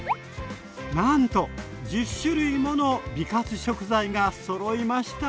なんと１０種類もの美活食材がそろいました。